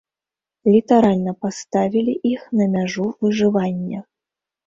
Літаральна паставілі іх на мяжу выжывання.